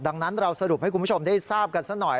ดังนั้นเราสรุปให้คุณผู้ชมได้ทราบกันซะหน่อย